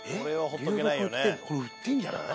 これ売ってんじゃない？